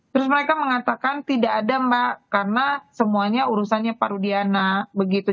terus mereka mengatakan tidak ada mbak karena semuanya urusannya pak rudiana begitu